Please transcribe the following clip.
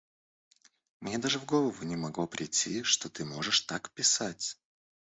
Мне даже в голову не могло прийти, что ты можешь так писать.